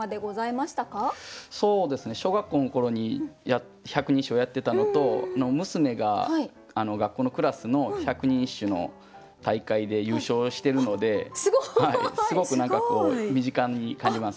そうですね小学校の頃に百人一首をやってたのと娘が学校のクラスの百人一首の大会で優勝してるのですごく身近に感じます。